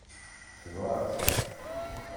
Tebɣa-t.